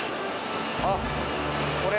あっ。